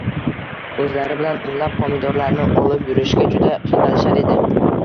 O‘zlari bilan o‘nlab pomidorlarni olib yurishga juda qiynalishar edi